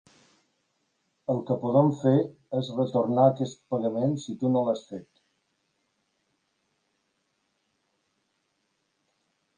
El que podem fer és retornar aquest pagament si tu no l'has fet.